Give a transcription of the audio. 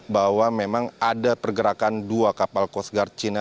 bahwa memang ada pergerakan dua kapal coast guard cina